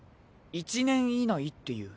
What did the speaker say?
１年以内っていう。